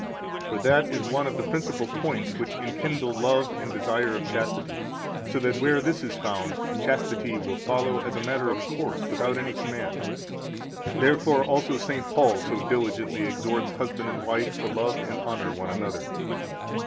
For that is one of the principal points which enkindle love and desire of chastity, so that, where this is found, chastity will follow as a matter of course without any command. 220 Therefore also St. Paul so diligently exhorts husband and wife to love and honor one another.